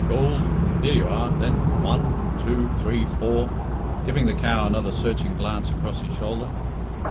Goold? Here you are, then one two three four..." (giving the cow another searching glance across his shoulder).